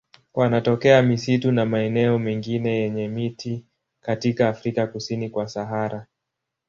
Wanatokea misitu na maeneo mengine yenye miti katika Afrika kusini kwa Sahara.